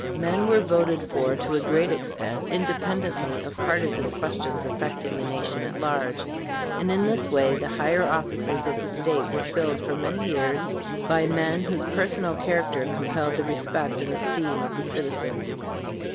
Men were voted for to a great extent independently of partisan questions affecting the nation at large, and in this way the higher offices of the State were filled for many years by men whose personal character compelled the respect and esteem of the citizens.